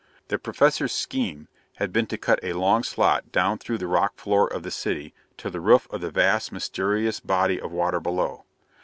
The Professor's scheme had been to cut a long slot down through the rock floor of the city to the roof of the vast, mysterious body of water below.